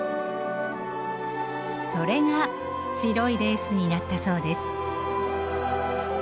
それが白いレースになったそうです。